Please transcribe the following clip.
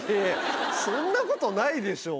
そんなことないでしょ。